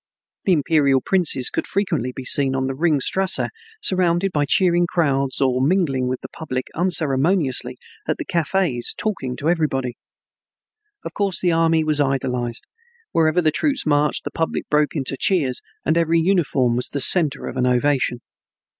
The imperial princes could frequently be seen on the Ring Strasse surrounded by cheering crowds or mingling with the public unceremoniously at the cafes, talking to everybody. Of course, the army was idolized. Wherever the troops marched the public broke into cheers and every uniform was the center of an ovation.